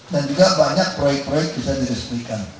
dan juga banyak proyek proyek bisa disampaikan